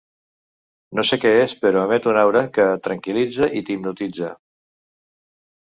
No sé què és, però emet una aura que tranquil·litza i t'hipnotitza.